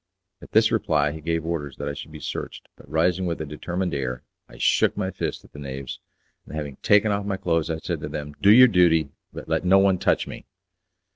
At this reply he gave orders that I should be searched, but rising with a determined air I shook my fist at the knaves, and having taken off my clothes I said to them, "Do your duty, but let no one touch me."